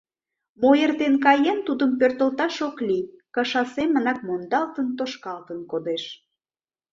Мо эртен каен, тудым пӧртылташ ок лий, кыша семынак мондалтын-тошкалтын кодеш.